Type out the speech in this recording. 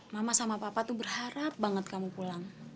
mama sama papa tuh berharap banget kamu pulang